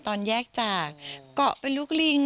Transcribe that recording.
ตอนแยกจากเกาะเป็นลูกลิง